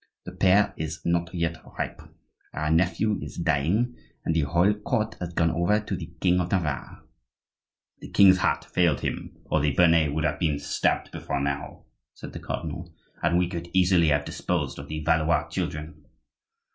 The pear is not yet ripe. Our nephew is dying, and the whole court has gone over to the king of Navarre." "The king's heart failed him, or the Bearnais would have been stabbed before now," said the cardinal; "and we could easily have disposed of the Valois children."